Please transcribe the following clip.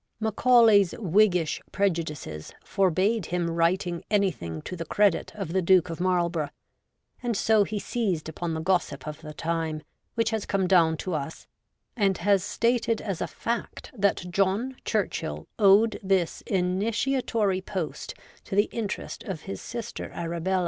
Macaulay's Whiggish prejudices forbade him writing anything to the credit of the Duke of Marlborough ; and so he seized upon the gossip of the time, which has come down to us, and has stated as a fact that John Churchill owed this initiatory post to the interest of his sister Arabella, Ann Clifford, Countess of Dorset, Pembroke, and Montgomery, Aged Si.